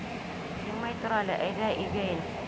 — Еңмәй тор әле, әйҙә, өйгә ин!